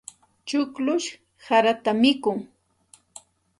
Chukllush sarata mikun.